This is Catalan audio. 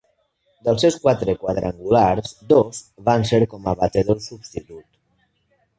Dels seus quatre quadrangulars, dos van ser com a batedor substitut.